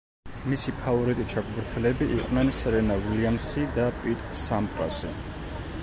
მისი ფავორიტი ჩოგბურთელები იყვნენ სერენა უილიამსი და პიტ სამპრასი.